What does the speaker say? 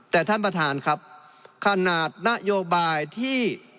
แต่ท่านประธานครับขนาดนโยบายที่